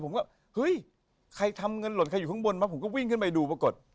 ผมก็เฮ้ยใครทำเงินหล่นใครอยู่ข้างบนมาผมก็วิ่งขึ้นไปดูปรากฏ